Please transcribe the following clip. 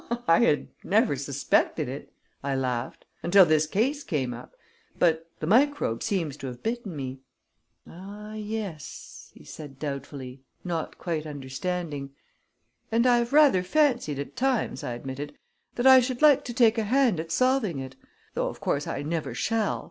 "I had never suspected it," I laughed, "until this case came up, but the microbe seems to have bitten me." "Ah, yes," he said doubtfully, not quite understanding. "And I've rather fancied at times," I admitted, "that I should like to take a hand at solving it though, of course, I never shall.